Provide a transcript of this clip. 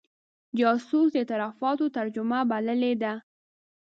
جاسوس د اعترافاتو ترجمه بللې ده.